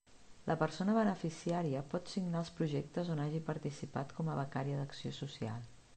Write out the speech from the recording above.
La persona beneficiària pot signar els projectes on hagi participat com a becària d'acció social.